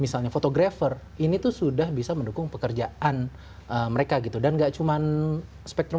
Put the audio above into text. misalnya fotografer ini tuh sudah bisa mendukung pekerjaan mereka gitu dan enggak cuman spektrum